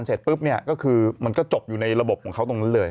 เสร็จปุ๊บเนี่ยก็คือมันก็จบอยู่ในระบบของเขาตรงนั้นเลย